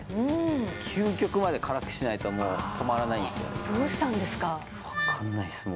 究極まで辛くしないともう止まらないんですよね。